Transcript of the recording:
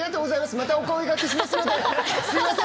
またお声がけします。